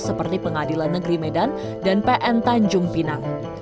seperti pengadilan negeri medan dan pn tanjung pinang